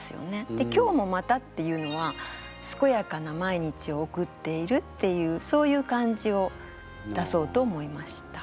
で「今日もまた」っていうのはすこやかな毎日を送っているっていうそういう感じを出そうと思いました。